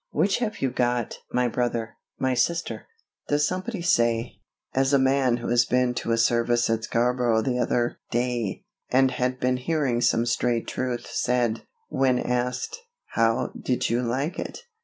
Which have you got, my brother? my sister? Does somebody say, as a man who had been to a service at Scarborough the other, day, and had been hearing some straight truth, said, when asked, "How did you like it?"